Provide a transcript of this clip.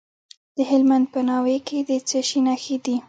د هلمند په ناوې کې د څه شي نښې دي؟